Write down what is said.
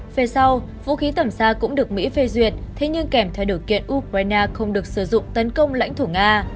về sau vũ khí tầm xa cũng được mỹ phê duyệt thế nhưng kèm theo điều kiện ukraine không được sử dụng tấn công lãnh thổ nga